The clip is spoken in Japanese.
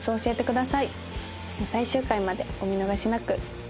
最終回までお見逃しなく。